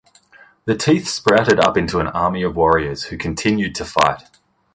The teeth sprouted up into an army of warriors, who continued to fight.